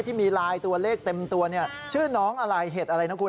ที่มีลายตัวเลขเต็มตัวชื่อน้องอะไรเห็ดอะไรนะคุณ